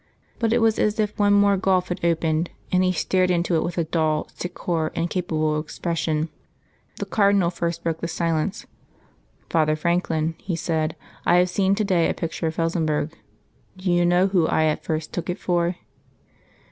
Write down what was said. But it was as if one more gulf had opened, and he stared into it with a dull, sick horror, incapable of expression. The Cardinal first broke the silence. "Father Franklin," he said, "I have seen to day a picture of Felsenburgh. Do you know whom I at first took it for?"